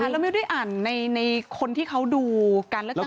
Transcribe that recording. แล้วไม่ได้อ่านในคนที่เขาดูการเลือกตั้ง